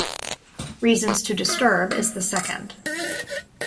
"Reasons to Disturb" is the second.